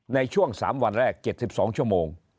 ในช่วง๓วันแรก๗๒ชั่วโมง